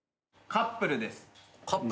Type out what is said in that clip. カップルです。